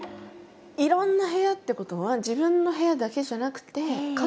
いろんな部屋ってことは自分の部屋だけじゃなくて家族の部屋も。